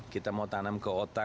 kita mau tanam ke otak